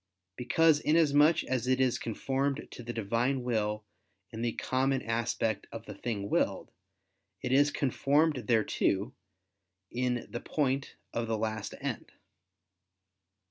Because inasmuch as it is conformed to the Divine will in the common aspect of the thing willed, it is conformed thereto in the point of the last end.